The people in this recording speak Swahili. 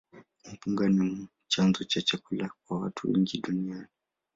Mpunga ni chanzo cha chakula kwa watu wengi duniani.